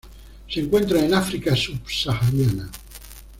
Se encuentra en África subsahariana.